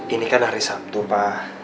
ini kan hari sabtu pak